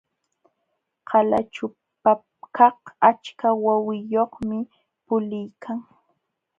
Qalaćhupakaq achka wawiyuqmi puliykan.